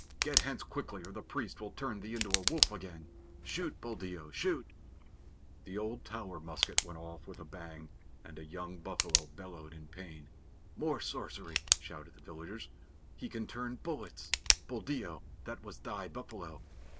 Get hence quickly or the priest will turn thee into a wolf again. Shoot, Buldeo, shoot!" The old Tower musket went off with a bang, and a young buffalo bellowed in pain. "More sorcery!" shouted the villagers. "He can turn bullets. Buldeo, that was thy buffalo."